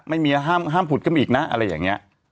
ไม่มีห้ามผุดกรรมอีกนะอะไรอย่างนี้